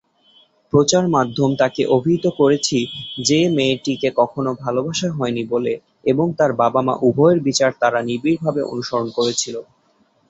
প্রচার মাধ্যম তাকে অভিহিত করেছি "যে মেয়েটিকে কখনো ভালোবাসা হয়নি" বলে এবং তার বাবা-মা উভয়ের বিচার তারা নিবিড়ভাবে অনুসরণ করেছিল।